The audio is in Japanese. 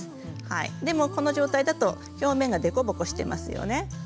でも、この状態だと表面が凸凹していますよね。